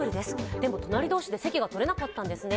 でも隣同士で席が取れなかったんですね。